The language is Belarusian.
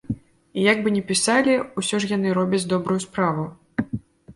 І як бы не пісалі, усё ж яны робяць добрую справу.